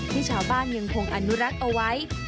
ที่ชาวบ้านยังคงอนุรักษ์เอาไว้